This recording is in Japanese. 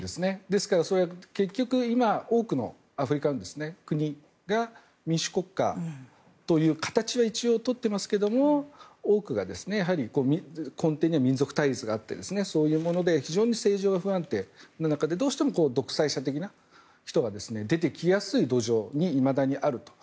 ですから、それは結局今、多くのアフリカの国が民主国家という形は一応、取っていますけど多くが根底には民族対立があってそういうもので非常に政情が不安定な中でどうしても独裁者的な人が出てきやすい土壌にいまだにあると。